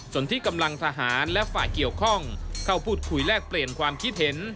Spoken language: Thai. ส่วนที่กำลังทหารและฝ่ายเกี่ยวข้องเข้าพูดคุยแลกเปลี่ยนความคิดเห็น